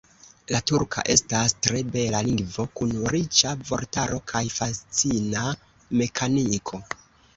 La turka estas tre bela lingvo kun riĉa vortaro kaj fascina mekaniko.